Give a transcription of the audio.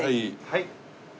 はい。